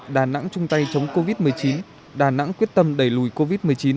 đà nẵng chung tay chống covid một mươi chín đà nẵng quyết tâm đẩy lùi covid một mươi chín